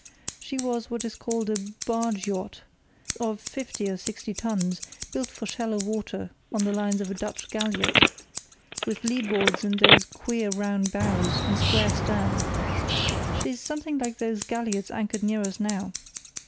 She was what is called a 'barge yacht', of fifty or sixty tons, built for shallow water on the lines of a Dutch galliot, with lee boards and those queer round bows and square stern. She's something like those galliots anchored near us now.